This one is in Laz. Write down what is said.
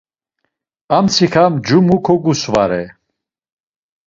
Amtsiǩa ncumu kogusvare.